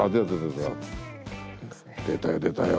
出たよ出たよ。